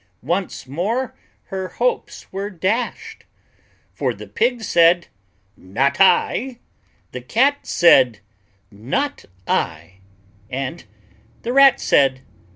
Once more her hopes were dashed! For the Pig said, "Not I," the Cat said, "Not I," and the Rat said, "Not I."